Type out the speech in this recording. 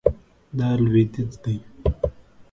دا لویدیځ دی